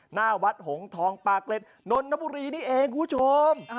หน้าวัดหงทองปากเกร็ดนนทบุรีนี่เองคุณผู้ชม